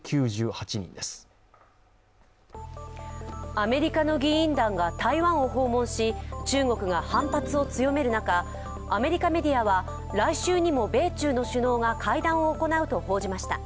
アメリカの議員団が台湾を訪問し、中国が反発を強める中アメリカメディアは来週にも米中の首脳が会談を行うと報じました。